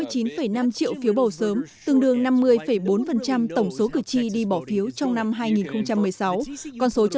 hai mươi chín năm triệu phiếu bầu sớm tương đương năm mươi bốn tổng số cử tri đi bỏ phiếu trong năm hai nghìn một mươi sáu con số châu